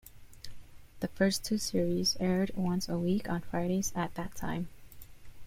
The first two series aired once a week on Fridays at that time.